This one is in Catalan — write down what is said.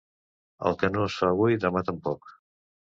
El que no es fa avui, demà tampoc.